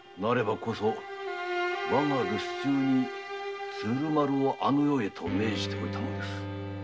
だからわが留守に鶴丸をあの世へと命じておいたのです。